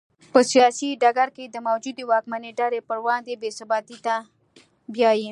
په سیاسي ډګر کې د موجودې واکمنې ډلې پر وړاندې بې ثباتۍ ته بیايي.